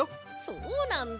そうなんだ。